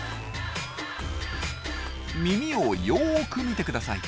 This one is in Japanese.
耳をよく見てください。